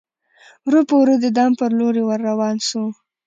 ورو په ورو د دام پر لوري ور روان سو